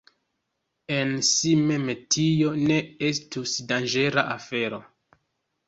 En si mem tio ne estus danĝera afero.